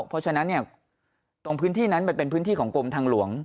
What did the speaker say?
เพราะฉะนั้นตรงพื้นที่นั้นมันเป็นพื้นที่ของกรมทางหลวง